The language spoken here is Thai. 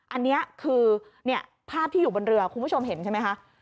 อันนี้คือภาพที่อยู่บนเรือคุณผู้ชมเห็นใช่ไหมคะ